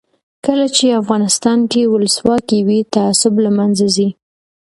کله چې افغانستان کې ولسواکي وي تعصب له منځه ځي.